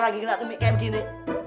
gnar ummi kayak begini